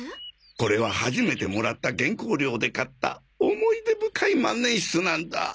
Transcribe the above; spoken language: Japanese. これは初めてもらった原稿料で買った思い出深い万年筆なんだ。